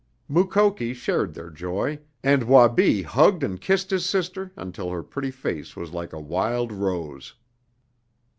Mukoki shared their joy, and Wabi hugged and kissed his sister until her pretty face was like a wild rose.